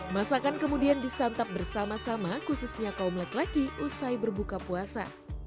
masakan kemudian disantap bersama sama khususnya kaum laki laki usai berbuka puasa